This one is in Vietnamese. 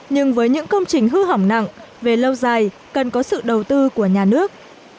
nhưng với những công trình hư hỏng nặng về lâu dài cần có sự đầu tư của nhà nước